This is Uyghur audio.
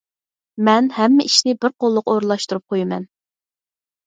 مەن ھەممە ئىشنى بىر قوللۇق ئورۇنلاشتۇرۇپ قويىمەن.